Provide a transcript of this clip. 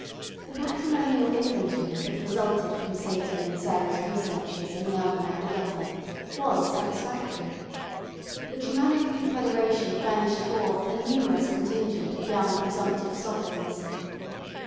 The matrimonial inventory that resulted from Seyton and Sarah's researches in the Almanach de Gotha was satisfactory. The Germanic Confederation furnished forth a numerous contingent of young presumptive sovereigns.